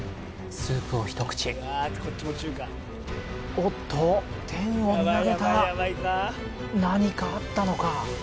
スープをひと口おっと天を見上げた何かあったのか？